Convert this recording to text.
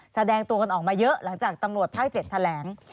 แสดงตัวกันออกมาเยอะหลังจากตำรวจภาค๗แถลง